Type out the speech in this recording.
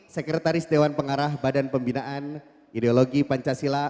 sekretaris dewan pengarah badan pembinaan ideologi pancasila